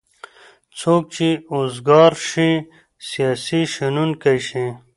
څوک چې اوزګار شی سیاسي شنوونکی شي.